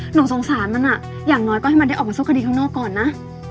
หนูสงสารมันอ่ะอย่างน้อยก็ให้มันได้ออกมาสู้คดีข้างนอกก่อนนะ